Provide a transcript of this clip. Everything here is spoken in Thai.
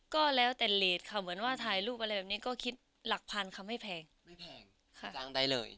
ก็แล้วแต่แรตค่ะเหมือนว่าถ่ายรูปอะไรแบบนี้ก็ขริตหลักพันค่ะไม่แพง